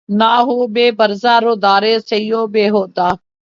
نہ ہو بہ ہرزہ روادارِ سعیء بے ہودہ